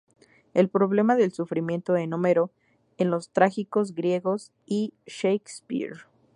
El problema del sufrimiento en Homero, en los trágicos griegos y Shakespeare.